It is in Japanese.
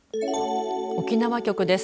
沖縄局です。